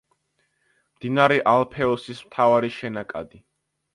მდინარე ალფეოსის მთავარი შენაკადი.